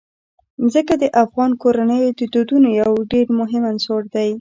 ځمکه د افغان کورنیو د دودونو یو ډېر مهم عنصر دی.